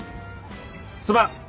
すまん！